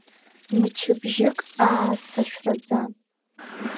Мчыбжьык аасашәраӡа!